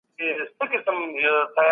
په ميتا فزيکي مرحله کي څه پېښيږي؟